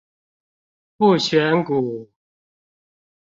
不選股